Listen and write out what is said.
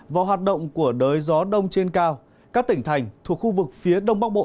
vào hoạt động của đới gió đông trên cao các tỉnh thành thuộc khu vực phía đông bắc bộ